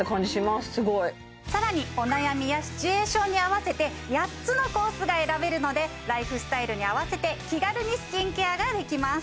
すごい更にお悩みやシチュエーションに合わせて８つのコースが選べるのでライフスタイルに合わせて気軽にスキンケアができます